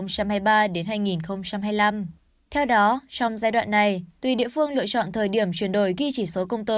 theo đó trong giai đoạn này tuy địa phương lựa chọn thời điểm chuyển đổi ghi chỉ số công tơ